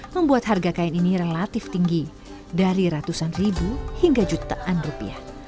membuat harga kain ini relatif tinggi dari ratusan ribu hingga jutaan rupiah